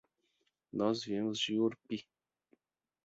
Nós viemos de Orpí.